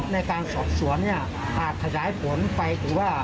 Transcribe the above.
ในการสอบสวนเนี่ยอาจขยายผลไปถึงว่า